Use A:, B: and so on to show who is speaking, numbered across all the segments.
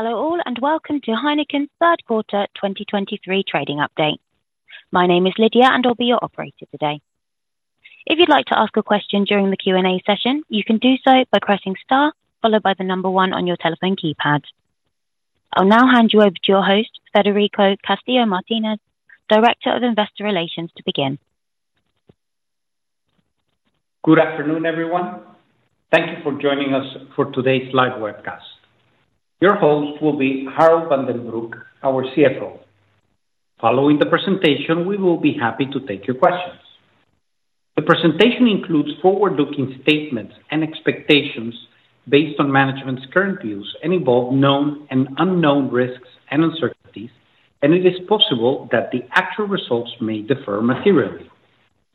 A: Hello all, and welcome to Heineken's Q3 2023 trading update. My name is Lydia, and I'll be your operator today. If you'd like to ask a question during the Q&A session, you can do so by pressing star followed by the number one on your telephone keypad. I'll now hand you over to your host, Federico Castillo Martinez, Director of Investor Relations, to begin.
B: Good afternoon, everyone. Thank you for joining us for today's live webcast. Your host will be Harold van den Broek, our CFO. Following the presentation, we will be happy to take your questions. The presentation includes forward-looking statements and expectations based on management's current views and involve known and unknown risks and uncertainties, and it is possible that the actual results may differ materially.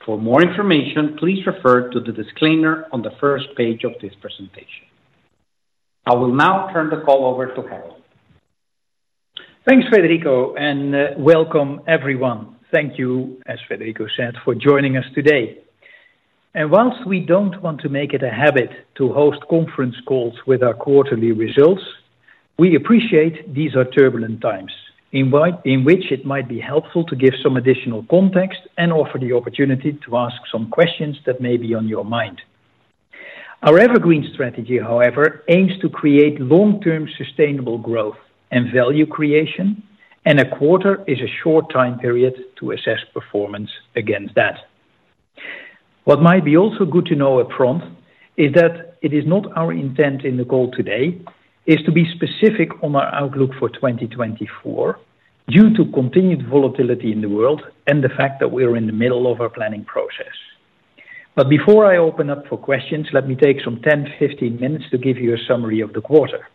B: For more information, please refer to the disclaimer on the first page of this presentation. I will now turn the call over to Harold.
C: Thanks, Federico, and welcome everyone. Thank you, as Federico said, for joining us today. While we don't want to make it a habit to host conference calls with our quarterly results, we appreciate these are turbulent times in which it might be helpful to give some additional context and offer the opportunity to ask some questions that may be on your mind. Our EverGreen strategy, however, aims to create long-term sustainable growth and value creation, and a quarter is a short time period to assess performance against that. What might be also good to know up front is that it is not our intent in the call today, is to be specific on our outlook for 2024, due to continued volatility in the world and the fact that we're in the middle of our planning process. But before I open up for questions, let me take some 10, 15 minutes to give you a summary of the quarter.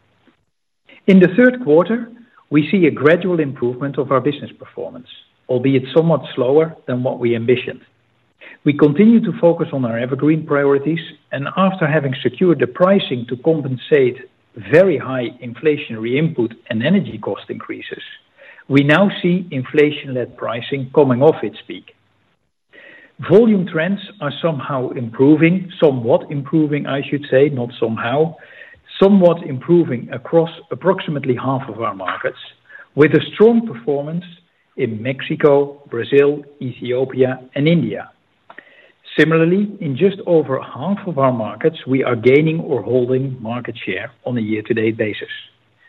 C: In the Q3, we see a gradual improvement of our business performance, albeit somewhat slower than what we envisioned. We continue to focus on our EverGreen priorities, and after having secured the pricing to compensate very high inflationary input and energy cost increases, we now see inflation-led pricing coming off its peak. Volume trends are somehow improving, somewhat improving, I should say, not somehow. Somewhat improving across approximately half of our markets, with a strong performance in Mexico, Brazil, Ethiopia and India. Similarly, in just over half of our markets, we are gaining or holding market share on a year-to-date basis.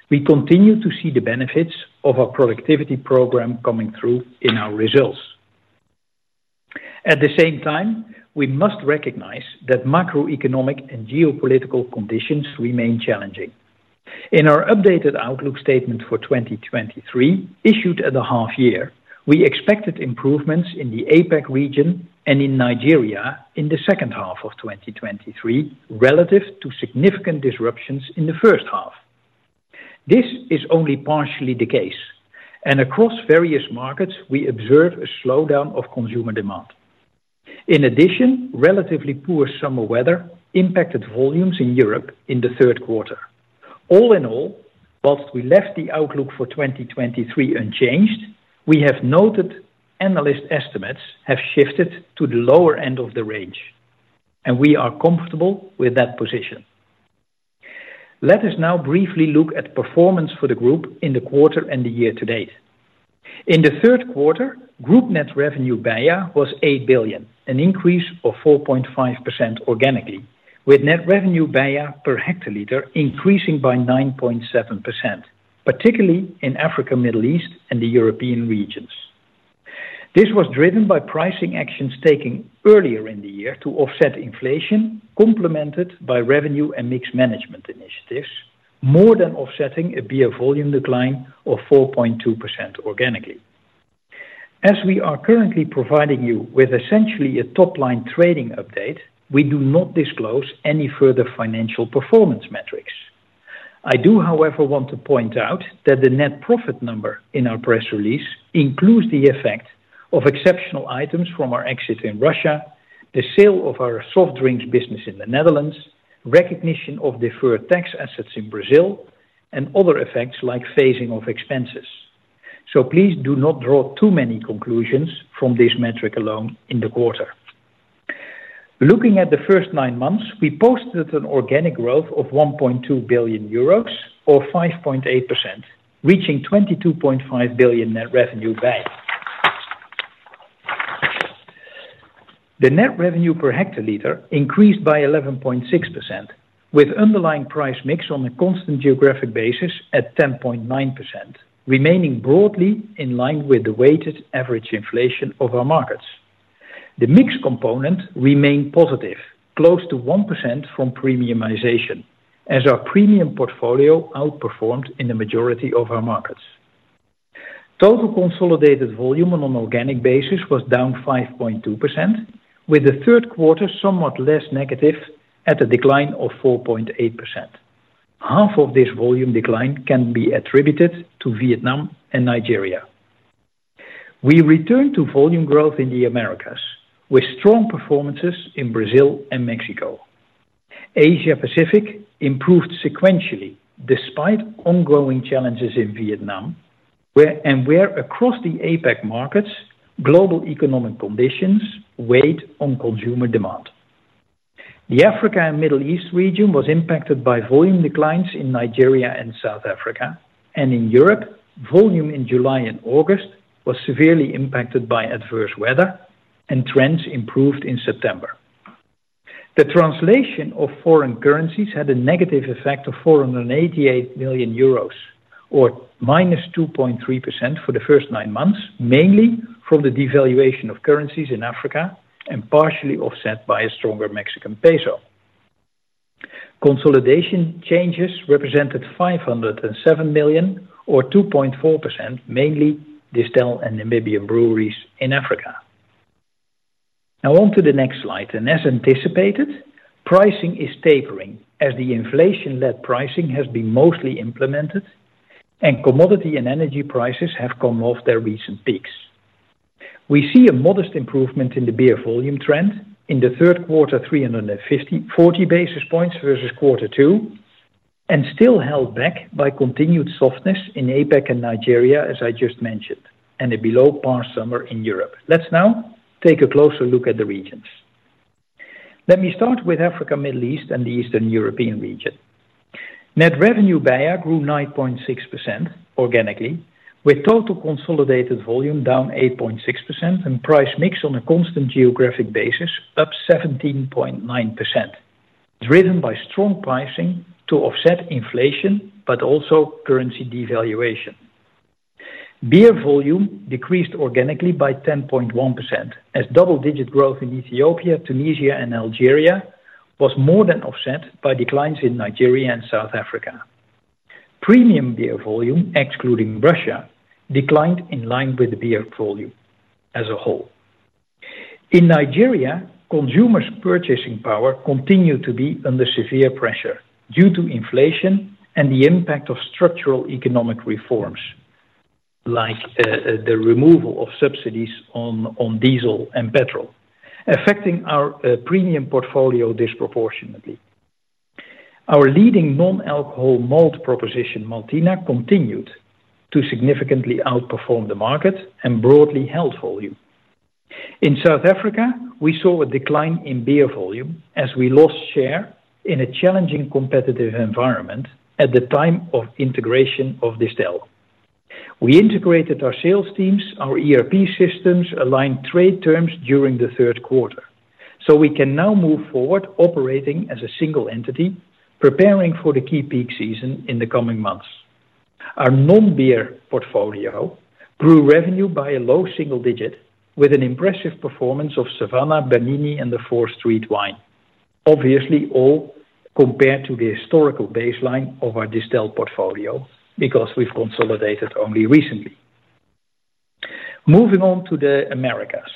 C: We continue to see the benefits of our productivity program coming through in our results. At the same time, we must recognize that macroeconomic and geopolitical conditions remain challenging. In our updated outlook statement for 2023, issued at the half year, we expected improvements in the APAC region and in Nigeria in the second half of 2023, relative to significant disruptions in the first half. This is only partially the case, and across various markets, we observe a slowdown of consumer demand. In addition, relatively poor summer weather impacted volumes in Europe in the Q3. All in all, while we left the outlook for 2023 unchanged, we have noted analyst estimates have shifted to the lower end of the range, and we are comfortable with that position. Let us now briefly look at performance for the group in the quarter and the year to date. In the Q3, group net revenue beer was 8 billion, an increase of 4.5% organically, with net revenue beer per hectoliter increasing by 9.7%, particularly in Africa, Middle East, and the European regions. This was driven by pricing actions taken earlier in the year to offset inflation, complemented by revenue and mix management initiatives, more than offsetting a beer volume decline of 4.2% organically. As we are currently providing you with essentially a top-line trading update, we do not disclose any further financial performance metrics. I do, however, want to point out that the net profit number in our press release includes the effect of exceptional items from our exit in Russia, the sale of our soft drinks business in the Netherlands, recognition of deferred tax assets in Brazil, and other effects like phasing of expenses. So please do not draw too many conclusions from this metric alone in the quarter. Looking at the first nine months, we posted an organic growth of 1.2 billion euros or 5.8%, reaching 22.5 billion net revenue BEIA. The net revenue per hectoliter increased by 11.6%, with underlying price mix on a constant geographic basis at 10.9%, remaining broadly in line with the weighted average inflation of our markets. The mix component remained positive, close to 1% from premiumization, as our premium portfolio outperformed in the majority of our markets. Total consolidated volume on an organic basis was down 5.2%, with the Q3 somewhat less negative at a decline of 4.8%. Half of this volume decline can be attributed to Vietnam and Nigeria. We returned to volume growth in the Americas, with strong performances in Brazil and Mexico. Asia-Pacific improved sequentially, despite ongoing challenges in Vietnam and across the APAC markets, where global economic conditions weighed on consumer demand. The Africa and Middle East region was impacted by volume declines in Nigeria and South Africa. In Europe, volume in July and August was severely impacted by adverse weather, and trends improved in September. The translation of foreign currencies had a negative effect of 488 million euros, or -2.3% for the first nine months, mainly from the devaluation of currencies in Africa, and partially offset by a stronger Mexican peso. Consolidation changes represented 507 million, or 2.4%, mainly Distell and Namibia Breweries in Africa. Now on to the next slide, and as anticipated, pricing is tapering as the inflation-led pricing has been mostly implemented, and commodity and energy prices have come off their recent peaks. We see a modest improvement in the beer volume trend. In the Q3, 3540 basis points versus Q2, and still held back by continued softness in APAC and Nigeria, as I just mentioned, and a below par summer in Europe. Let's now take a closer look at the regions. Let me start with Africa, Middle East, and the Eastern European region. Net revenue BEIA grew 9.6% organically, with total consolidated volume down 8.6% and price mix on a constant geographic basis up 17.9%, driven by strong pricing to offset inflation, but also currency devaluation. Beer volume decreased organically by 10.1%, as double-digit growth in Ethiopia, Tunisia, and Algeria was more than offset by declines in Nigeria and South Africa. Premium beer volume, excluding Russia, declined in line with the beer volume as a whole. In Nigeria, consumers' purchasing power continued to be under severe pressure due to inflation and the impact of structural economic reforms, like the removal of subsidies on diesel and petrol, affecting our premium portfolio disproportionately. Our leading non-alcohol malt proposition, Maltina, continued to significantly outperform the market and broadly held volume. In South Africa, we saw a decline in beer volume as we lost share in a challenging competitive environment at the time of integration of Distell. We integrated our sales teams, our ERP systems, aligned trade terms during the Q3, so we can now move forward operating as a single entity, preparing for the key peak season in the coming months. Our non-beer portfolio grew revenue by a low-single-digit with an impressive performance of Savanna, Bernini and the 4th Street wine. Obviously, all compared to the historical baseline of our Distell portfolio, because we've consolidated only recently. Moving on to the Americas.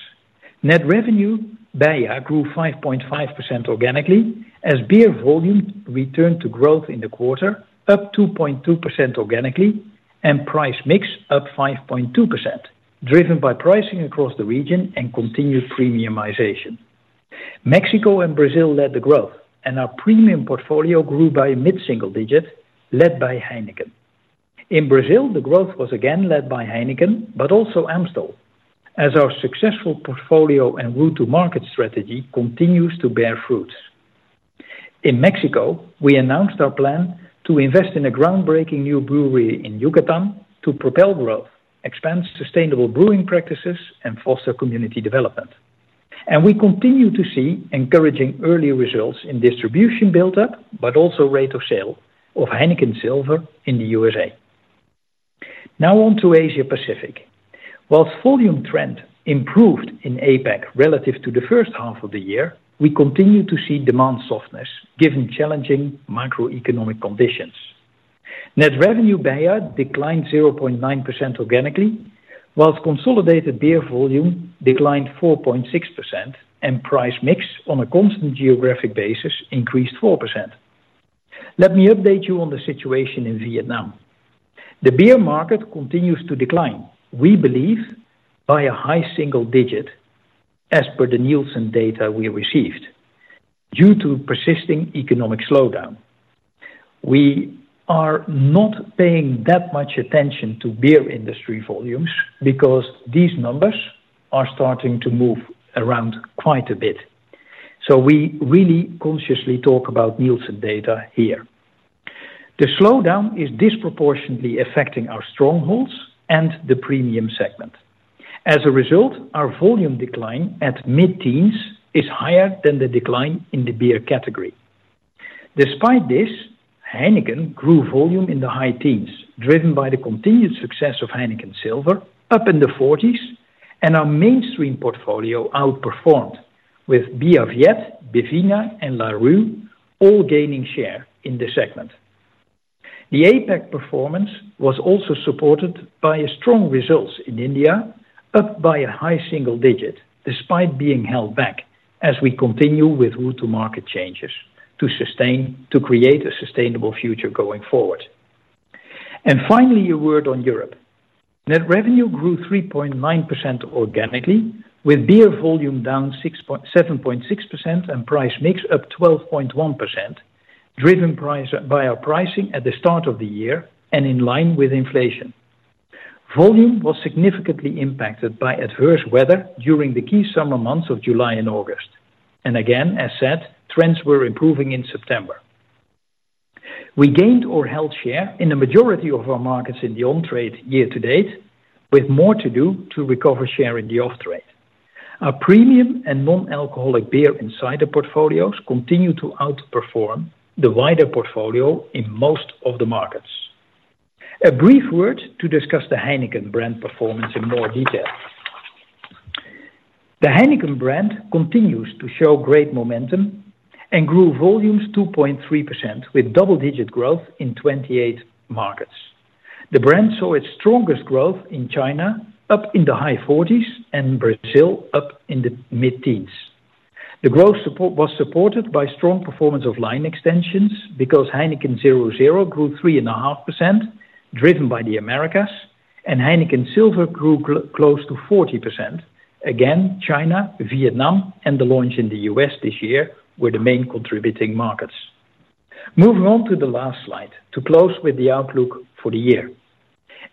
C: Net revenue BEIA grew 5.5% organically, as beer volume returned to growth in the quarter, up 2.2% organically and price mix up 5.2%, driven by pricing across the region and continued premiumization. Mexico and Brazil led the growth, and our premium portfolio grew by mid-single-digit, led by Heineken. In Brazil, the growth was again led by Heineken, but also Amstel, as our successful portfolio and route to market strategy continues to bear fruits. In Mexico, we announced our plan to invest in a groundbreaking new brewery in Yucatan to propel growth, expand sustainable brewing practices and foster community development. And we continue to see encouraging early results in distribution buildup, but also rate of sale of Heineken Silver in the USA. Now on to Asia Pacific. While volume trend improved in APAC relative to the first half of the year, we continue to see demand softness given challenging macroeconomic conditions. Net revenue BEIA declined 0.9% organically, while consolidated beer volume declined 4.6%, and price mix on a constant geographic basis increased 4%. Let me update you on the situation in Vietnam. The beer market continues to decline. We believe by a high single digit, as per the Nielsen data we received, due to persisting economic slowdown. We are not paying that much attention to beer industry volumes because these numbers are starting to move around quite a bit, so we really consciously talk about Nielsen data here. The slowdown is disproportionately affecting our strongholds and the premium segment. As a result, our volume decline at mid-teens is higher than the decline in the beer category. Despite this, Heineken grew volume in the high teens, driven by the continued success of Heineken Silver, up in the 40s, and our mainstream portfolio outperformed with Bia Viet, Bivina and Larue all gaining share in this segment. The APAC performance was also supported by strong results in India, up by a high single digit, despite being held back as we continue with route to market changes, to create a sustainable future going forward. Finally, a word on Europe. Net revenue grew 3.9% organically, with beer volume down 6.7% and price mix up 12.1%, driven by our pricing at the start of the year and in line with inflation. Volume was significantly impacted by adverse weather during the key summer months of July and August. And again, as said, trends were improving in September. We gained or held share in the majority of our markets in the on-trade year to date, with more to do to recover share in the off-trade. Our premium and non-alcoholic beer and cider portfolios continue to outperform the wider portfolio in most of the markets. A brief word to discuss the Heineken brand performance in more detail. The Heineken brand continues to show great momentum and grew volumes 2.3%, with double-digit growth in 28 markets. The brand saw its strongest growth in China, up in the high 40s, and Brazil, up in the mid-teens. The growth support was supported by strong performance of line extensions because Heineken 0.0 grew 3.5%, driven by the Americas, and Heineken Silver grew close to 40%. Again, China, Vietnam, and the launch in the U.S. this year were the main contributing markets. Moving on to the last slide, to close with the outlook for the year.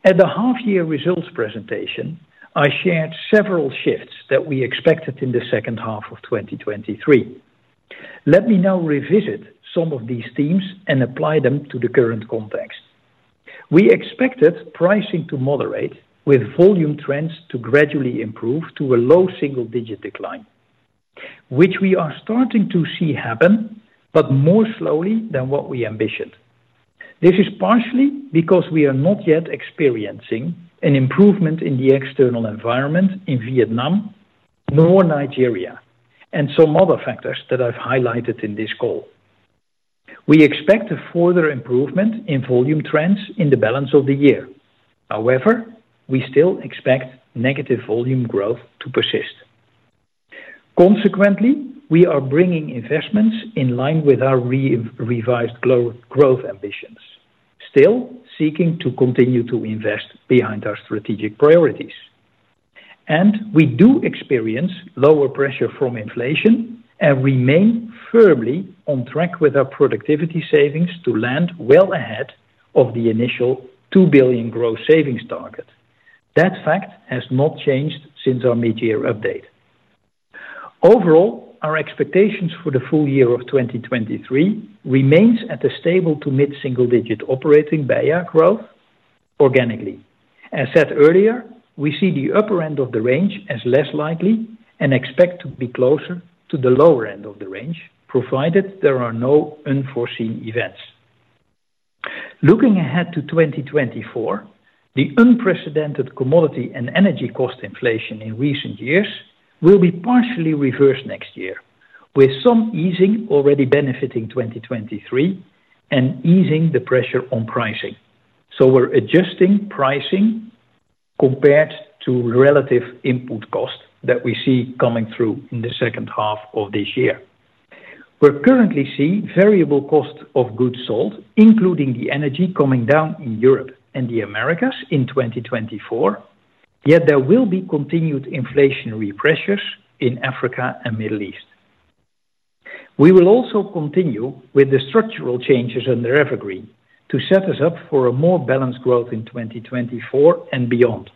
C: At the half-year results presentation, I shared several shifts that we expected in the second half of 2023. Let me now revisit some of these themes and apply them to the current context. We expected pricing to moderate, with volume trends to gradually improve to a low single-digit decline, which we are starting to see happen, but more slowly than what we ambitioned. This is partially because we are not yet experiencing an improvement in the external environment in Vietnam, nor Nigeria, and some other factors that I've highlighted in this call. We expect a further improvement in volume trends in the balance of the year. However, we still expect negative volume growth to persist. Consequently, we are bringing investments in line with our revised growth ambitions, still seeking to continue to invest behind our strategic priorities. We do experience lower pressure from inflation and remain firmly on track with our productivity savings to land well ahead of the initial 2 billion growth savings target. That fact has not changed since our mid-year update. Overall, our expectations for the full year of 2023 remains at a stable to mid-single-digit operating BEIA growth organically. As said earlier, we see the upper end of the range as less likely and expect to be closer to the lower end of the range, provided there are no unforeseen events. Looking ahead to 2024, the unprecedented commodity and energy cost inflation in recent years will be partially reversed next year, with some easing already benefiting 2023 and easing the pressure on pricing. So we're adjusting pricing compared to relative input costs that we see coming through in the second half of this year. We're currently seeing variable cost of goods sold, including the energy coming down in Europe and the Americas in 2024, yet there will be continued inflationary pressures in Africa and Middle East. We will also continue with the structural changes under EverGreen to set us up for a more balanced growth in 2024 and beyond.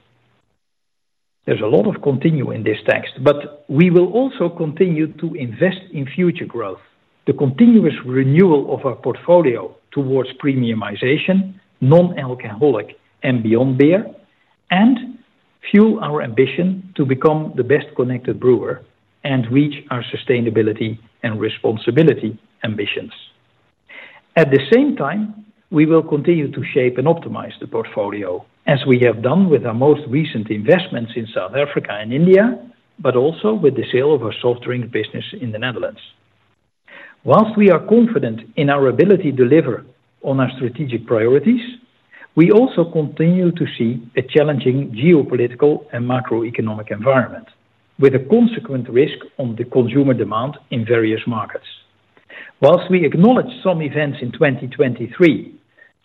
C: There's a lot of continue in this text, but we will also continue to invest in future growth, the continuous renewal of our portfolio towards premiumization, non-alcoholic and beyond beer, and fuel our ambition to become the best connected brewer and reach our sustainability and responsibility ambitions. At the same time, we will continue to shape and optimize the portfolio, as we have done with our most recent investments in South Africa and India, but also with the sale of our soft drink business in the Netherlands. While we are confident in our ability to deliver on our strategic priorities, we also continue to see a challenging geopolitical and macroeconomic environment, with a consequent risk on the consumer demand in various markets. While we acknowledge some events in 2023,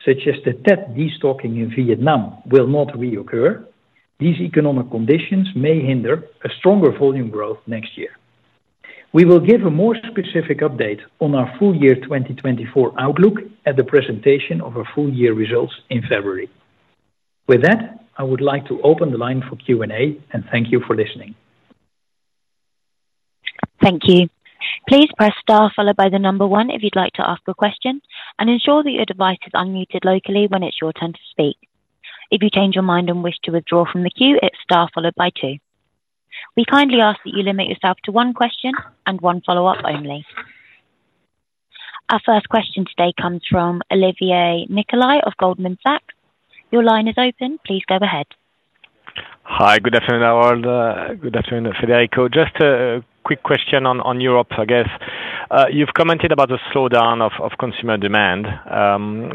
C: such as the Tet destocking in Vietnam, will not reoccur, these economic conditions may hinder a stronger volume growth next year. We will give a more specific update on our full year 2024 outlook at the presentation of our full year results in February. With that, I would like to open the line for Q&A, and thank you for listening.
A: Thank you. Please press star followed by the number one if you'd like to ask a question, and ensure that your device is unmuted locally when it's your turn to speak. If you change your mind and wish to withdraw from the queue, it's star followed by two. We kindly ask that you limit yourself to one question and one follow-up only. Our first question today comes from Olivier Nicolai of Goldman Sachs. Your line is open. Please go ahead.
D: Hi, good afternoon, Harold. Good afternoon, Federico. Just a quick question on Europe, I guess. You've commented about the slowdown of consumer demand.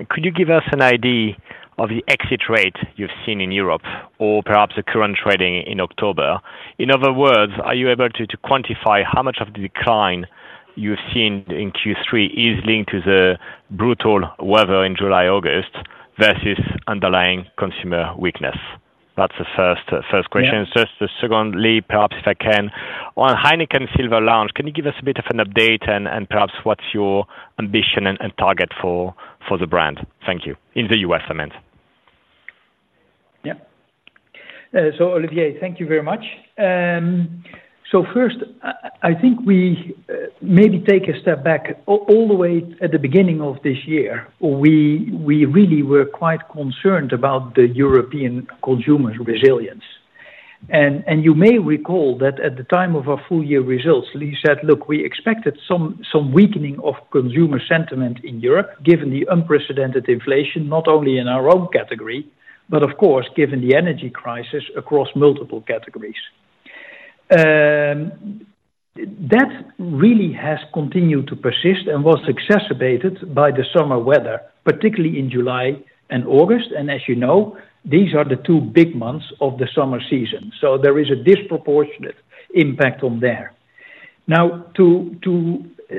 D: Could you give us an idea of the exit rate you've seen in Europe or perhaps the current trading in October? In other words, are you able to quantify how much of the decline you've seen in Q3 is linked to the brutal weather in July, August, versus underlying consumer weakness? That's the first question.
C: Yeah.
D: Just secondly, perhaps if I can. On Heineken Silver launch, can you give us a bit of an update and perhaps what's your ambition and target for the brand? Thank you. In the U.S., I meant.
C: Yeah. So Olivier, thank you very much. So first, I think we maybe take a step back all the way at the beginning of this year. We really were quite concerned about the European consumer resilience. And you may recall that at the time of our full year results, Lee said, "Look, we expected some weakening of consumer sentiment in Europe, given the unprecedented inflation, not only in our own category, but of course, given the energy crisis across multiple categories." That really has continued to persist and was exacerbated by the summer weather, particularly in July and August, and as you know, these are the two big months of the summer season, so there is a disproportionate impact on there. Now,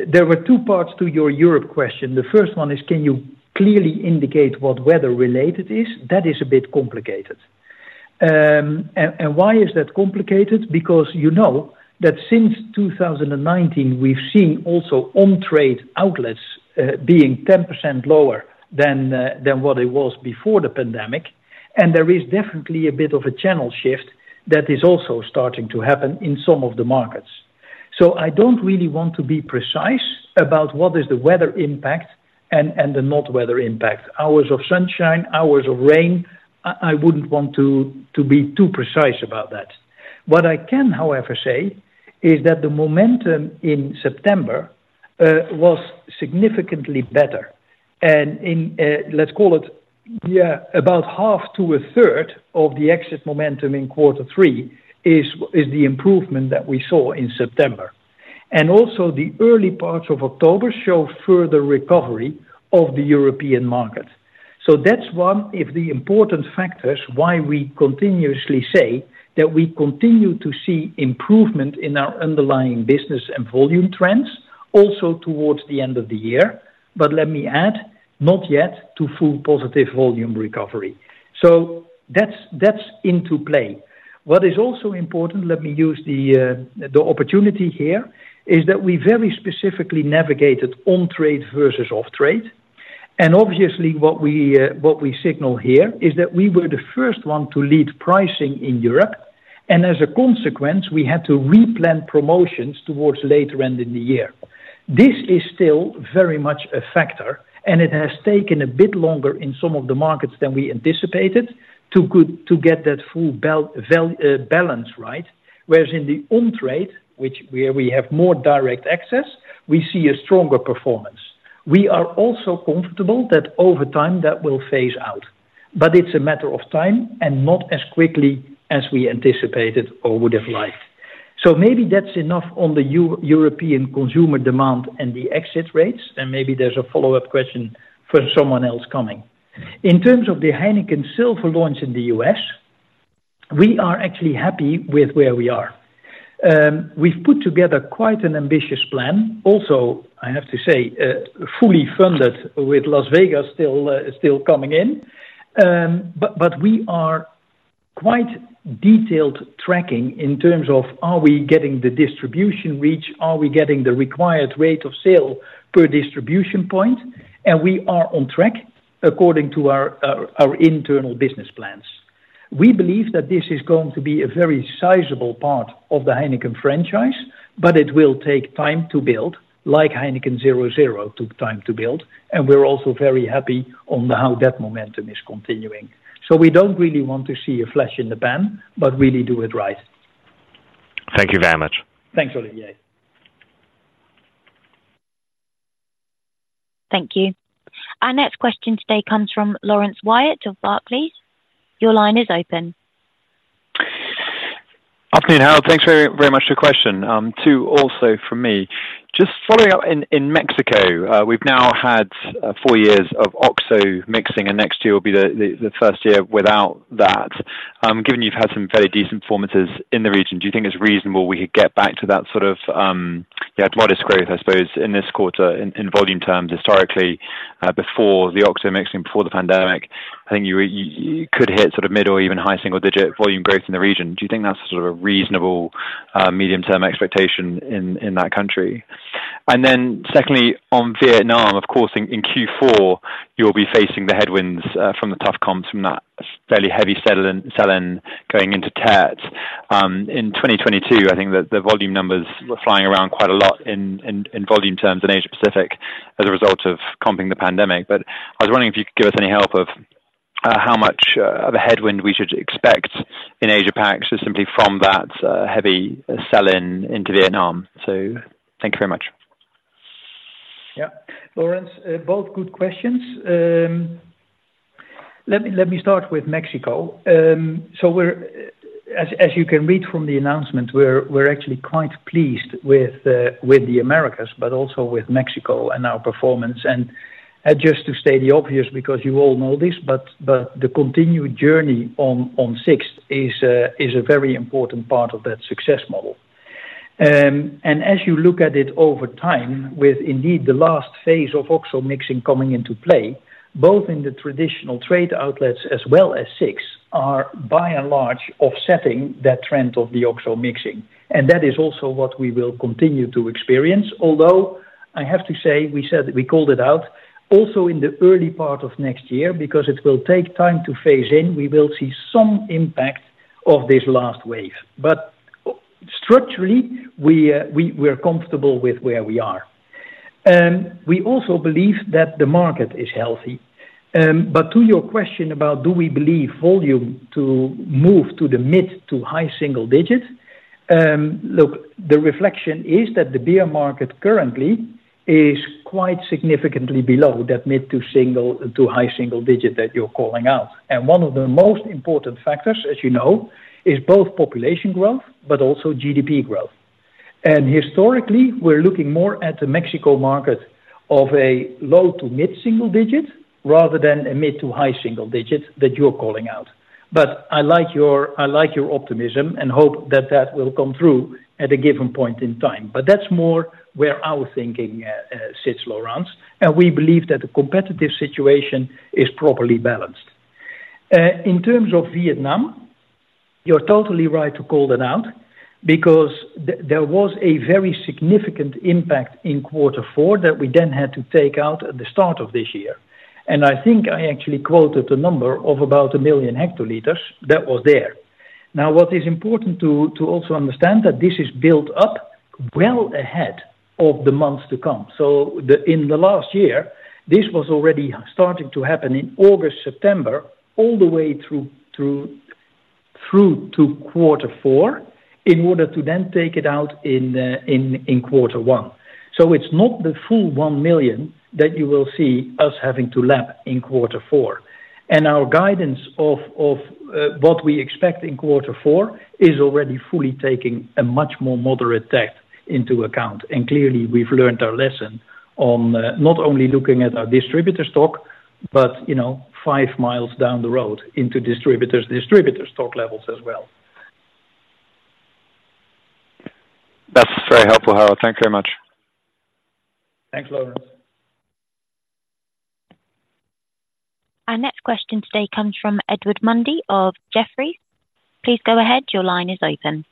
C: there were two parts to your Europe question. The first one is: Can you clearly indicate what weather-related is? That is a bit complicated. And, and why is that complicated? Because you know that since 2019, we've seen also on-trade outlets, being 10% lower than, than what it was before the pandemic, and there is definitely a bit of a channel shift that is also starting to happen in some of the markets. So I don't really want to be precise about what is the weather impact and, and the not weather impact. Hours of sunshine, hours of rain, I, I wouldn't want to, to be too precise about that. What I can, however, say is that the momentum in September, was significantly better. And in, let's call it, yeah, about half to a third of the exit momentum in Q3 is, is the improvement that we saw in September. And also the early parts of October show further recovery of the European market. So that's one of the important factors why we continuously say that we continue to see improvement in our underlying business and volume trends, also towards the end of the year, but let me add, not yet to full positive volume recovery. So that's, that's into play. What is also important, let me use the, the opportunity here, is that we very specifically navigated on-trade versus off-trade. And obviously, what we, what we signal here is that we were the first one to lead pricing in Europe, and as a consequence, we had to replan promotions towards later end in the year. This is still very much a factor, and it has taken a bit longer in some of the markets than we anticipated to get that full value balance right. Whereas in the on-trade, where we have more direct access, we see a stronger performance. We are also comfortable that over time, that will phase out, but it's a matter of time and not as quickly as we anticipated or would have liked. So maybe that's enough on the European consumer demand and the exit rates, and maybe there's a follow-up question for someone else coming. In terms of the Heineken Silver launch in the U.S., we are actually happy with where we are. We've put together quite an ambitious plan. Also, I have to say, fully funded with Las Vegas still coming in. But we are quite detailed tracking in terms of are we getting the distribution reach, are we getting the required rate of sale per distribution point, and we are on track according to our, our internal business plans. We believe that this is going to be a very sizable part of the Heineken franchise, but it will take time to build, like Heineken 0.0 took time to build, and we're also very happy on how that momentum is continuing. So we don't really want to see a flash in the pan, but really do it right.
B: Thank you very much.
C: Thanks, Olivier.
A: Thank you. Our next question today comes from Laurence Whyatt of Barclays. Your line is open.
E: Afternoon, Harold. Thanks very, very much for the question. Two also from me. Just following up in Mexico, we've now had four years of OXXO mixing, and next year will be the first year without that. Given you've had some very decent performances in the region, do you think it's reasonable we could get back to that sort of, yeah, modest growth, I suppose, in this quarter, in volume terms, historically, before the OXXO mixing, before the pandemic? I think you could hit sort of mid or even high single-digit volume growth in the region. Do you think that's sort of a reasonable, medium-term expectation in that country? And then secondly, on Vietnam, of course, in Q4, you'll be facing the headwinds from the tough comps, from that fairly heavy sell-in going into Tet. In 2022, I think that the volume numbers were flying around quite a lot in volume terms in Asia Pacific as a result of comping the pandemic. But I was wondering if you could give us any help on how much of a headwind we should expect in Asia PACs just simply from that heavy sell-in into Vietnam. So thank you very much.
C: Yeah. Laurence, both good questions. Let me, let me start with Mexico. So we're... As, as you can read from the announcement, we're, we're actually quite pleased with the, with the Americas, but also with Mexico and our performance. And just to state the obvious, because you all know this, but, but the continued journey on, on SIXT is a, is a very important part of that success model. And as you look at it over time, with indeed the last phase of OXXO mixing coming into play, both in the traditional trade outlets as well as SIXT, are by and large offsetting that trend of the OXXO mixing. And that is also what we will continue to experience, although-... I have to say, we said that we called it out also in the early part of next year, because it will take time to phase in. We will see some impact of this last wave. But structurally, we're comfortable with where we are. We also believe that the market is healthy. But to your question about do we believe volume to move to the mid- to high-single digits? Look, the reflection is that the beer market currently is quite significantly below that mid- to high-single digit that you're calling out. And one of the most important factors, as you know, is both population growth but also GDP growth. And historically, we're looking more at the Mexico market of a low- to mid-single digits rather than a mid- to high-single digits that you're calling out. But I like your, I like your optimism and hope that that will come through at a given point in time. But that's more where our thinking sits, Laurence, and we believe that the competitive situation is properly balanced. In terms of Vietnam, you're totally right to call that out because there was a very significant impact in quarter four that we then had to take out at the start of this year. And I think I actually quoted a number of about 1,000,000 hectoliters that was there. Now, what is important to also understand that this is built up well ahead of the months to come. So in the last year, this was already starting to happen in August, September, all the way through to quarter four, in order to then take it out in quarter one. So it's not the full 1,000,000 that you will see us having to lap in quarter four. And our guidance of what we expect in Q4 is already fully taking a much more moderate tax into account. And clearly, we've learned our lesson on not only looking at our distributor stock, but, you know, 5 miles down the road into distributors, distributor stock levels as well.
E: That's very helpful, Harold. Thank you very much.
C: Thanks, Laurence.
A: Our next question today comes from Edward Mundy of Jefferies. Please go ahead. Your line is open.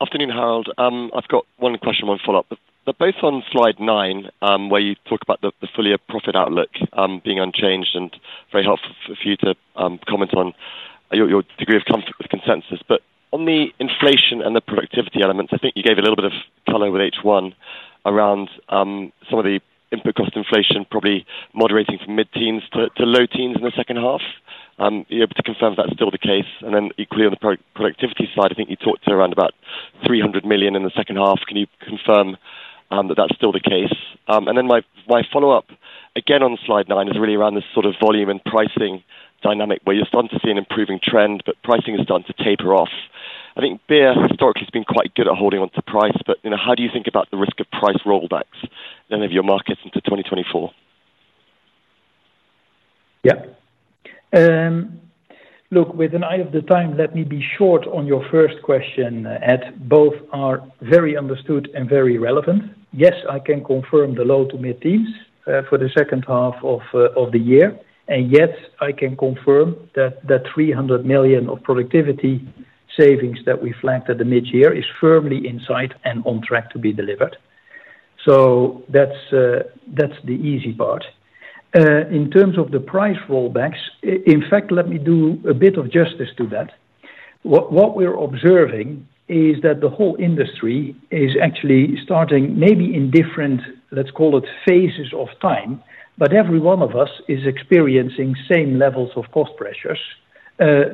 F: Afternoon, Harold. I've got one question, one follow-up. But both on slide nine, where you talk about the full year profit outlook, being unchanged, and very helpful for you to comment on your degree of comfort with consensus. But on the inflation and the productivity elements, I think you gave a little bit of color with H1 around some of the input cost inflation, probably moderating from mid-teens to low teens in the second half. Are you able to confirm if that's still the case? And then equally on the productivity side, I think you talked to around about 300 million in the second half. Can you confirm that that's still the case? And then my follow-up, again on slide nine, is really around this sort of volume and pricing dynamic, where you're starting to see an improving trend, but pricing has started to taper off. I think beer historically has been quite good at holding on to price, but, you know, how do you think about the risk of price rollbacks in any of your markets into 2024?
C: Yeah. Look, with an eye of the time, let me be short on your first question, Ed. Both are very understood and very relevant. Yes, I can confirm the low to mid-teens for the second half of the year, and yes, I can confirm that the 300 million of productivity savings that we flagged at the mid-year is firmly in sight and on track to be delivered. So that's, that's the easy part. In terms of the price rollbacks, in fact, let me do a bit of justice to that. What we're observing is that the whole industry is actually starting, maybe in different, let's call it, phases of time, but every one of us is experiencing same levels of cost pressures,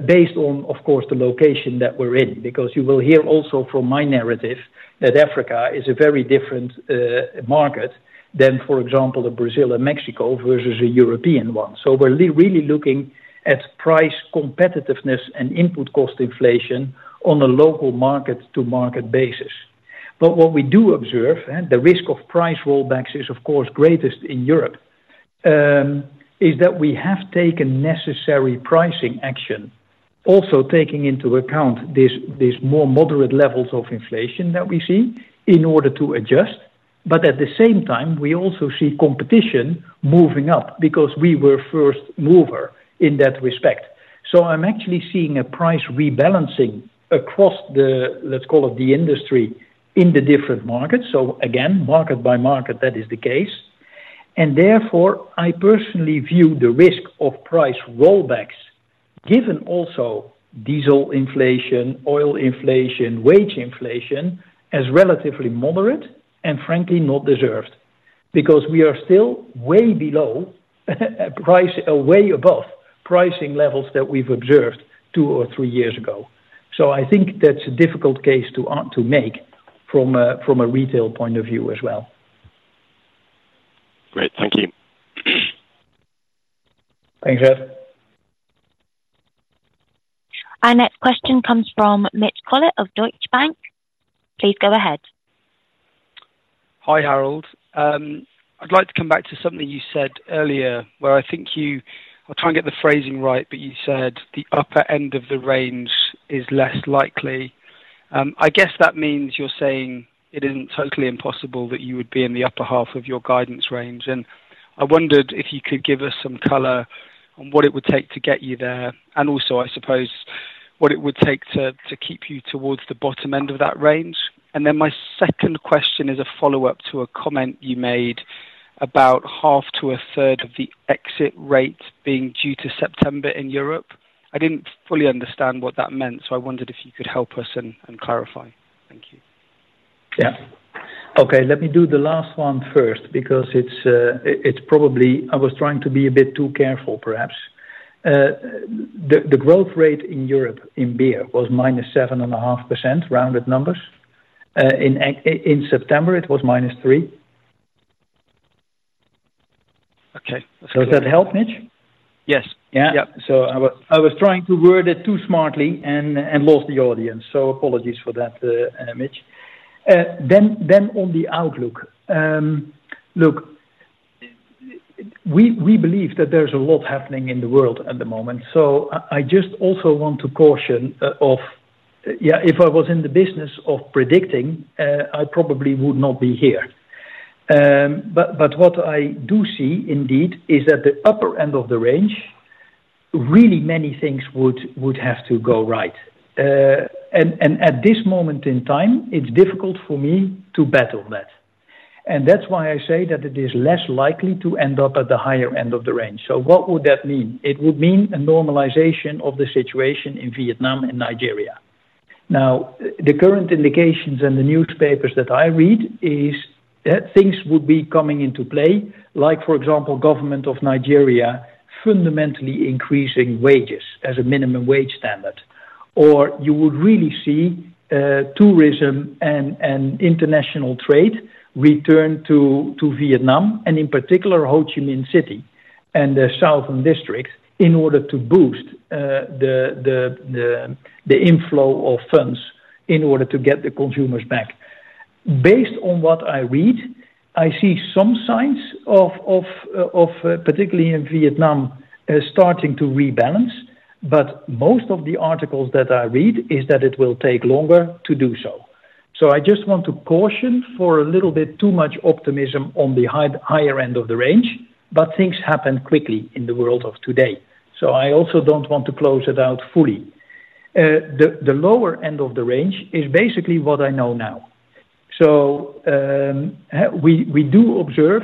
C: based on, of course, the location that we're in. Because you will hear also from my narrative that Africa is a very different market than, for example, a Brazil and Mexico versus a European one. So we're really looking at price competitiveness and input cost inflation on a local market-to-market basis. But what we do observe, and the risk of price rollbacks is, of course, greatest in Europe, is that we have taken necessary pricing action, also taking into account these more moderate levels of inflation that we see in order to adjust. But at the same time, we also see competition moving up because we were first mover in that respect. So I'm actually seeing a price rebalancing across the, let's call it, the industry in the different markets. So again, market by market, that is the case. Therefore, I personally view the risk of price rollbacks, given also diesel inflation, oil inflation, wage inflation, as relatively moderate and frankly not deserved. Because we are still way above pricing levels that we've observed two or three years ago. I think that's a difficult case to make from a retail point of view as well.
F: Great. Thank you.
C: Thanks, Ed.
A: Our next question comes from Mitch Collett of Deutsche Bank. Please go ahead.
G: Hi, Harold. I'd like to come back to something you said earlier, where I think you... I'll try and get the phrasing right, but you said the upper end of the range is less likely. I guess that means you're saying it isn't totally impossible that you would be in the upper half of your guidance range, and I wondered if you could give us some color on what it would take to get you there, and also, I suppose what it would take to keep you towards the bottom end of that range? And then my second question is a follow-up to a comment you made about half to a third of the exit rate being due to September in Europe. I didn't fully understand what that meant, so I wondered if you could help us and clarify. Thank you.
C: Yeah. Okay, let me do the last one first, because it's probably... I was trying to be a bit too careful, perhaps. The growth rate in Europe in beer was -7.5%, rounded numbers. In September, it was -3%.
G: Okay.
C: So does that help, Mitch?
G: Yes.
C: Yeah? So I was trying to word it too smartly and lost the audience. So apologies for that, Mitch. Then on the outlook. Look, we believe that there's a lot happening in the world at the moment, so I just also want to caution of, yeah, if I was in the business of predicting, I probably would not be here. But what I do see indeed is that the upper end of the range, really many things would have to go right. And at this moment in time, it's difficult for me to bet on that. And that's why I say that it is less likely to end up at the higher end of the range. So what would that mean? It would mean a normalization of the situation in Vietnam and Nigeria. Now, the current indications in the newspapers that I read is that things would be coming into play, like, for example, government of Nigeria fundamentally increasing wages as a minimum wage standard. Or you would really see tourism and international trade return to Vietnam, and in particular, Ho Chi Minh City and the southern districts, in order to boost the inflow of funds in order to get the consumers back. Based on what I read, I see some signs of particularly in Vietnam starting to rebalance, but most of the articles that I read is that it will take longer to do so. So I just want to caution for a little bit too much optimism on the higher end of the range, but things happen quickly in the world of today. So I also don't want to close it out fully. The lower end of the range is basically what I know now. So we do observe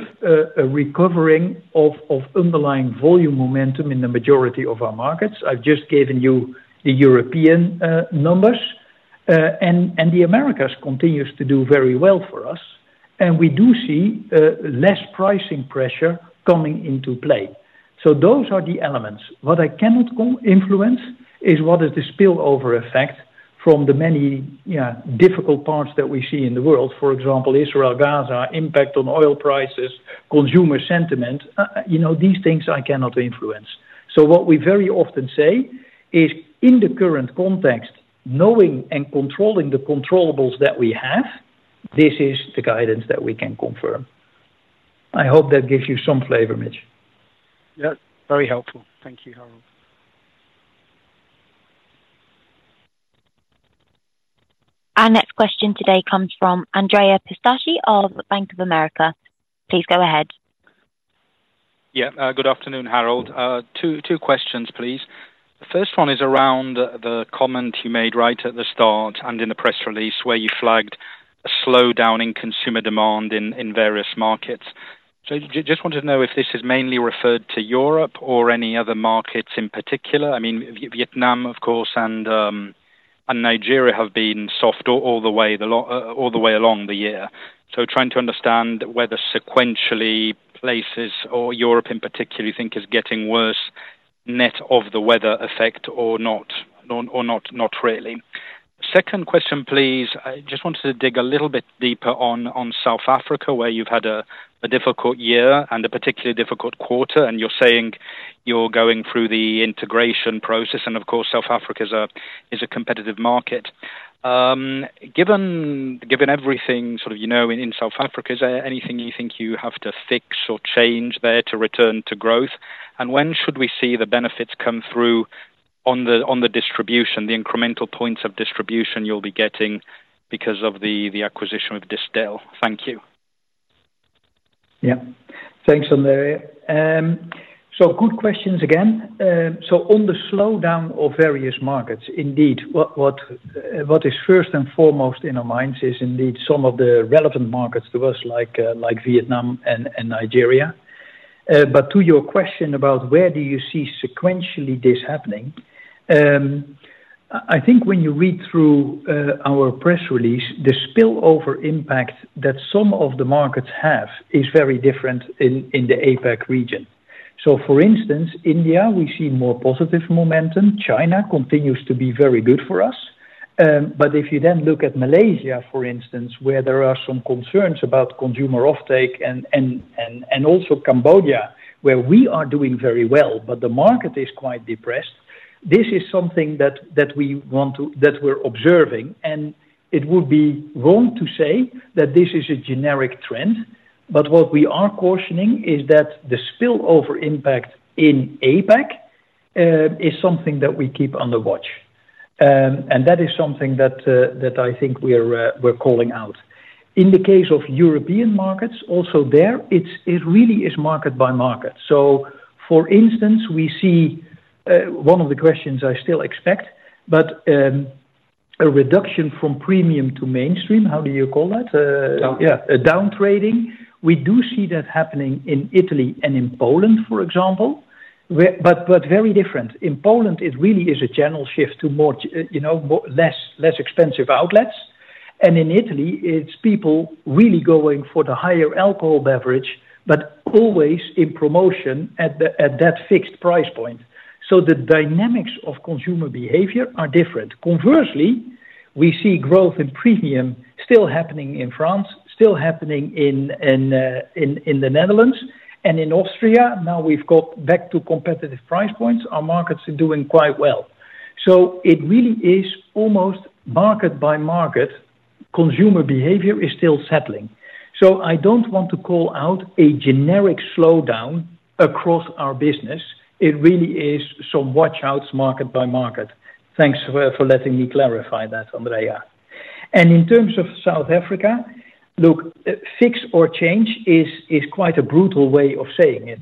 C: a recovering of underlying volume momentum in the majority of our markets. I've just given you the European numbers. And the Americas continues to do very well for us, and we do see less pricing pressure coming into play. So those are the elements. What I cannot co-influence is what is the spillover effect from the many, yeah, difficult parts that we see in the world, for example, Israel, Gaza, impact on oil prices, consumer sentiment. You know, these things I cannot influence. So what we very often say is, in the current context, knowing and controlling the controllables that we have, this is the guidance that we can confirm.I hope that gives you some flavor, Mitch.
G: Yeah, very helpful. Thank you, Harold.
A: Our next question today comes from Andrea Pistacchi of Bank of America. Please go ahead.
H: Yeah, good afternoon, Harold. Two, questions, please. The first one is around the comment you made right at the start and in the press release, where you flagged a slowdown in consumer demand in various markets. So just wanted to know if this is mainly referred to Europe or any other markets in particular. I mean, Vietnam, of course, and Nigeria have been soft all the way along the year. So trying to understand whether sequentially places or Europe in particular, you think is getting worse, net of the weather effect or not, or not really. Second question, please. I just wanted to dig a little bit deeper on South Africa, where you've had a difficult year and a particularly difficult quarter, and you're saying you're going through the integration process, and of course, South Africa is a competitive market. Given everything sort of, you know, in South Africa, is there anything you think you have to fix or change there to return to growth? And when should we see the benefits come through on the distribution, the incremental points of distribution you'll be getting because of the acquisition of Distell? Thank you.
C: Yeah. Thanks, Andrea. So good questions again. So on the slowdown of various markets, indeed, what is first and foremost in our minds is indeed some of the relevant markets to us, like Vietnam and Nigeria. But to your question about where do you see sequentially this happening? I think when you read through our press release, the spillover impact that some of the markets have is very different in the APAC region. So for instance, India, we see more positive momentum. China continues to be very good for us. But if you then look at Malaysia, for instance, where there are some concerns about consumer offtake and also Cambodia, where we are doing very well, but the market is quite depressed, this is something that we're observing, and it would be wrong to say that this is a generic trend. But what we are cautioning is that the spillover impact in APAC is something that we keep on the watch. And that is something that I think we're calling out.... In the case of European markets, also there, it really is market by market. So for instance, we see one of the questions I still expect, but a reduction from premium to mainstream, how do you call that?
H: Down.
C: Yeah, down trading. We do see that happening in Italy and in Poland, for example, where but very different. In Poland, it really is a general shift to more, you know, less expensive outlets. And in Italy, it's people really going for the higher alcohol beverage, but always in promotion at that fixed price point. So the dynamics of consumer behavior are different. Conversely, we see growth in premium still happening in France, still happening in the Netherlands, and in Austria. Now, we've got back to competitive price points. Our markets are doing quite well. So it really is almost market by market. Consumer behavior is still settling. So I don't want to call out a generic slowdown across our business. It really is some watch outs, market by market. Thanks for letting me clarify that, Andrea. In terms of South Africa, look, fix or change is quite a brutal way of saying it.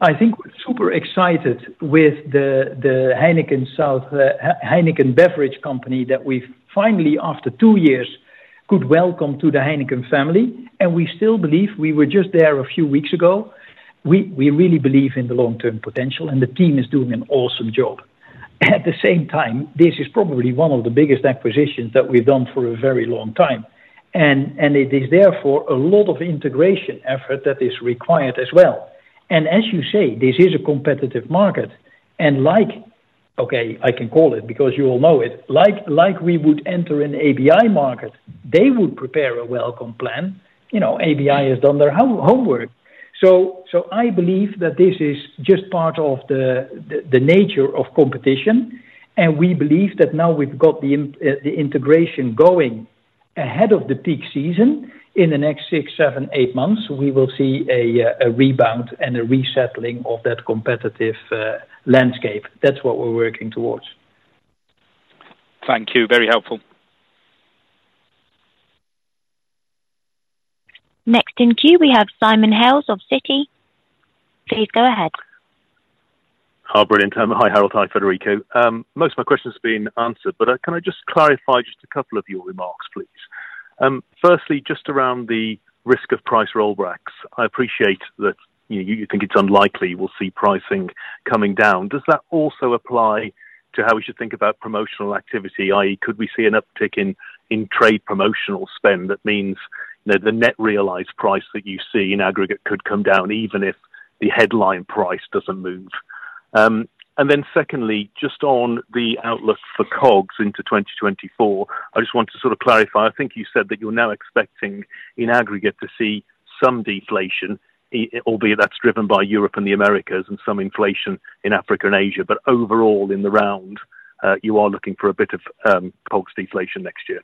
C: I think we're super excited with the Heineken Beverages that we've finally, after two years, could welcome to the Heineken family, and we still believe we were just there a few weeks ago. We really believe in the long-term potential, and the team is doing an awesome job. At the same time, this is probably one of the biggest acquisitions that we've done for a very long time, and it is therefore a lot of integration effort that is required as well. As you say, this is a competitive market and like... Okay, I can call it because you all know it. Like, we would enter an ABI market, they would prepare a welcome plan. You know, ABI has done their homework. So I believe that this is just part of the nature of competition, and we believe that now we've got the integration going ahead of the peak season. In the next six, seven, eight months, we will see a rebound and a resettling of that competitive landscape. That's what we're working towards.
H: Thank you. Very helpful.
A: Next in queue, we have Simon Hales of Citi. Please go ahead.
I: Hi, brilliant. Hi, Harold. Hi, Federico. Most of my questions have been answered, but, can I just clarify just a couple of your remarks, please? Firstly, just around the risk of price rollbacks. I appreciate that, you, you think it's unlikely we'll see pricing coming down. Does that also apply to how we should think about promotional activity? i.e., could we see an uptick in, in trade promotional spend that means that the net realized price that you see in aggregate could come down, even if the headline price doesn't move? And then secondly, just on the outlook for COGS into 2024, I just want to sort of clarify. I think you said that you're now expecting, in aggregate, to see some deflation, albeit that's driven by Europe and the Americas and some inflation in Africa and Asia. But overall, in the round, you are looking for a bit of COGS deflation next year.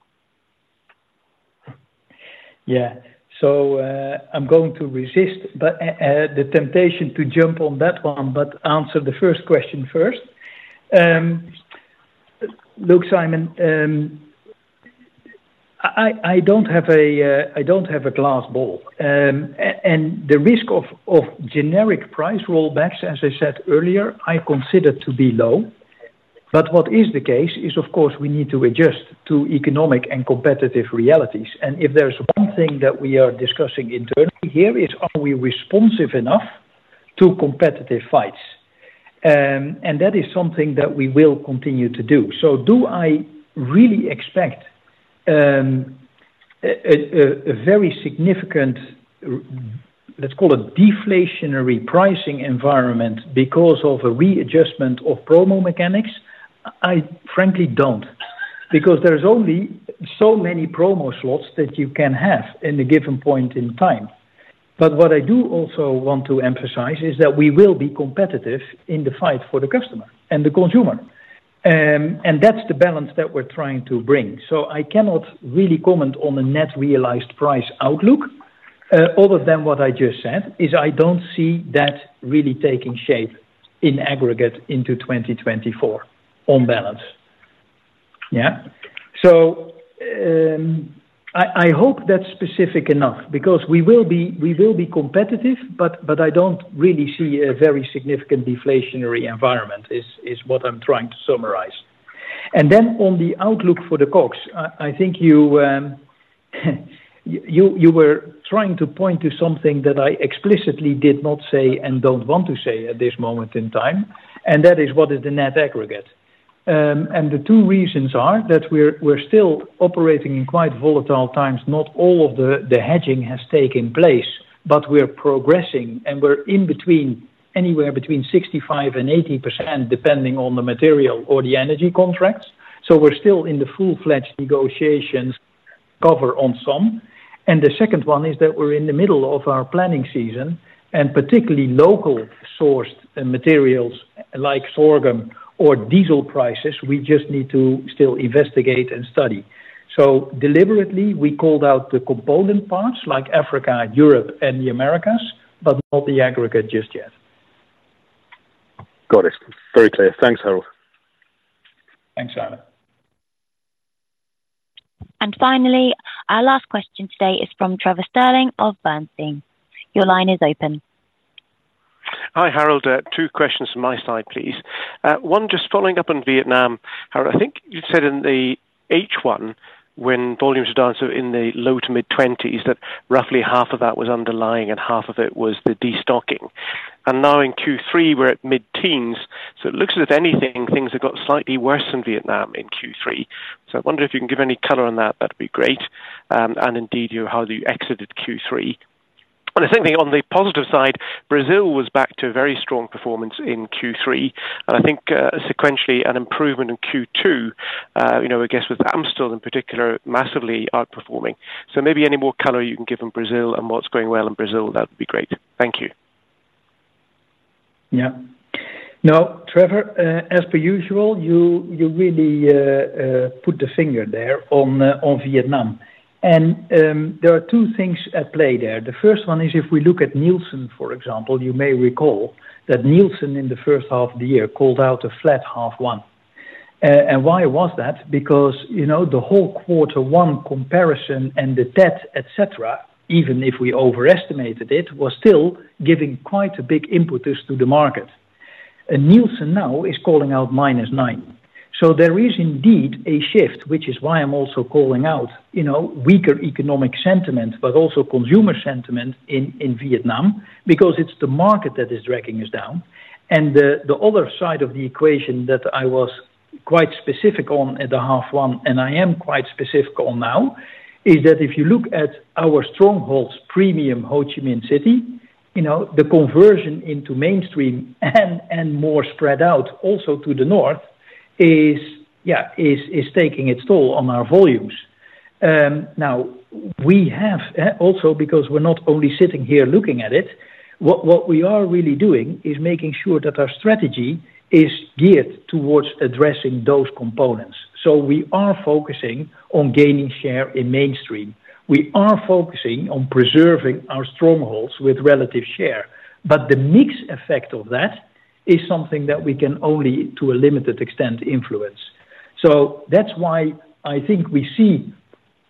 C: Yeah. So, I'm going to resist the temptation to jump on that one, but answer the first question first. Look, Simon, I don't have a glass ball. And the risk of generic price rollbacks, as I said earlier, I consider to be low. But what is the case is, of course, we need to adjust to economic and competitive realities. And if there's one thing that we are discussing internally here, is, are we responsive enough to competitive fights? And that is something that we will continue to do. So do I really expect a very significant, let's call it deflationary pricing environment because of a readjustment of promo mechanics? I frankly don't. Because there's only so many promo slots that you can have in a given point in time. But what I do also want to emphasize is that we will be competitive in the fight for the customer and the consumer. And that's the balance that we're trying to bring. So I cannot really comment on the net realized price outlook, other than what I just said, is I don't see that really taking shape in aggregate into 2024 on balance. Yeah? So, I, I hope that's specific enough because we will be, we will be competitive, but, but I don't really see a very significant deflationary environment, is, is what I'm trying to summarize. Then on the outlook for the COGS, I think you were trying to point to something that I explicitly did not say and don't want to say at this moment in time, and that is what is the net aggregate. The two reasons are that we're still operating in quite volatile times. Not all of the hedging has taken place, but we're progressing, and we're anywhere between 65%-80%, depending on the material or the energy contracts. So we're still in the full-fledged negotiations cover on some. And the second one is that we're in the middle of our planning season, and particularly local sourced materials like sorghum or diesel prices, we just need to still investigate and study. So deliberately, we called out the component parts like Africa, Europe, and the Americas, but not the aggregate just yet.
I: Got it. Very clear. Thanks, Harold.
C: Thanks, Simon.
A: Finally, our last question today is from Trevor Stirling of Bernstein. Your line is open.
J: Hi, Harold. Two questions from my side, please. One, just following up on Vietnam. Harold, I think you said in the H1, when volumes were down, so in the low- to mid-20s, that roughly half of that was underlying and half of it was the destocking. And now in Q3, we're at mid-teens, so it looks as if anything, things have got slightly worse in Vietnam in Q3. So I wonder if you can give any color on that, that'd be great. And indeed, how you exited Q3. And the second thing, on the positive side, Brazil was back to a very strong performance in Q3, and I think, sequentially, an improvement in Q2, you know, I guess with Amstel, in particular, massively outperforming. So maybe any more color you can give on Brazil and what's going well in Brazil, that would be great. Thank you.
C: Yeah. Now, Trevor, as per usual, you really put the finger there on Vietnam. There are two things at play there. The first one is, if we look at Nielsen, for example, you may recall that Nielsen in the first half of the year called out a flat half one. And why was that? Because, you know, the whole quarter one comparison and the Tet, et cetera, even if we overestimated it, was still giving quite a big impetus to the market. And Nielsen now is calling out -9%. So there is indeed a shift, which is why I'm also calling out, you know, weaker economic sentiment, but also consumer sentiment in Vietnam, because it's the market that is dragging us down. And the other side of the equation that I was quite specific on at the half one, and I am quite specific on now, is that if you look at our strongholds, premium Ho Chi Minh City, you know, the conversion into mainstream, and more spread out also to the north is taking its toll on our volumes. Now, we have also, because we're not only sitting here looking at it, what we are really doing is making sure that our strategy is geared towards addressing those components. So we are focusing on gaining share in mainstream. We are focusing on preserving our strongholds with relative share, but the mix effect of that is something that we can only, to a limited extent, influence. So that's why I think we see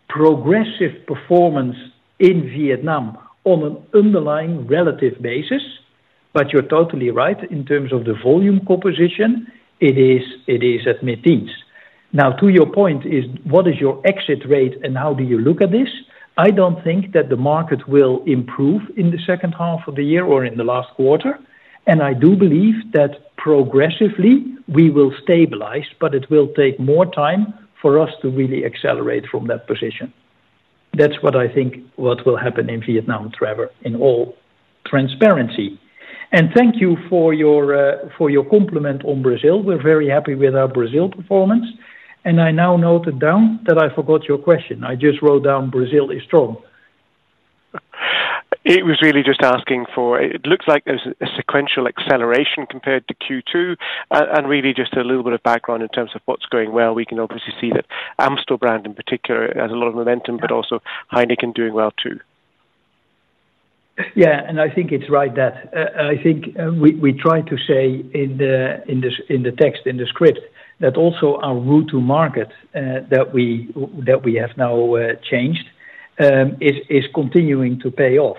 C: progressive performance in Vietnam on an underlying relative basis, but you're totally right, in terms of the volume composition, it is, it is at mid-teens. Now, to your point is, what is your exit rate, and how do you look at this? I don't think that the market will improve in the second half of the year or in the last quarter, and I do believe that progressively we will stabilize, but it will take more time for us to really accelerate from that position. That's what I think what will happen in Vietnam, Trevor, in all transparency. And thank you for your, for your compliment on Brazil. We're very happy with our Brazil performance, and I now noted down that I forgot your question. I just wrote down, "Brazil is strong.
J: It was really just asking for... It looks like there's a sequential acceleration compared to Q2, and really just a little bit of background in terms of what's going well. We can obviously see that Amstel brand, in particular, has a lot of momentum, but also Heineken doing well, too.
C: Yeah, and I think it's right that I think we try to say in the text, in the script, that also our route to market that we have now changed is continuing to pay off.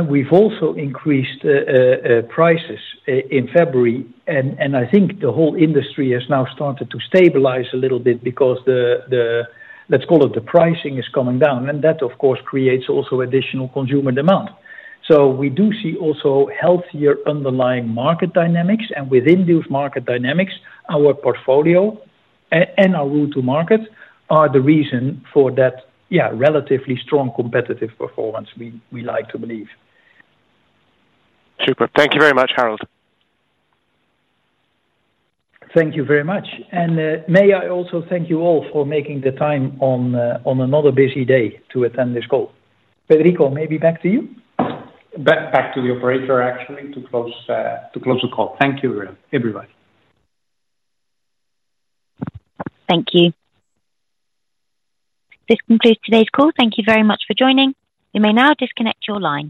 C: We've also increased prices in February, and I think the whole industry has now started to stabilize a little bit because the let's call it the pricing is coming down, and that, of course, creates also additional consumer demand. So we do see also healthier underlying market dynamics, and within those market dynamics, our portfolio and our route to market are the reason for that, yeah, relatively strong competitive performance we like to believe.
J: Super. Thank you very much, Harold.
C: Thank you very much. May I also thank you all for making the time on another busy day to attend this call. Federico, maybe back to you? Back to the operator, actually, to close the call. Thank you, everybody.
A: Thank you. This concludes today's call. Thank you very much for joining. You may now disconnect your line.